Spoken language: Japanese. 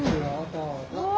うわ！